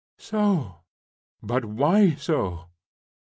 "So." "But why so?"